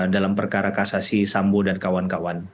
dalam perkara kasasi sambo dan kawan kawan